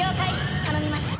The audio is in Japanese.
頼みます。